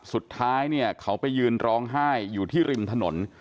สุดท้ายเนี่ยเขาไปยืนร้องไห้อยู่ที่ริมถนน